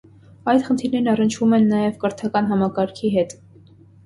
Այդ խնդիրներն առնչվում են նաև կրթական համակարգի հետ։